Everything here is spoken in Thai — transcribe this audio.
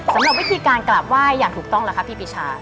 สำหรับวิธีการกราบไหว้อย่างถูกต้องล่ะคะพี่ปีชา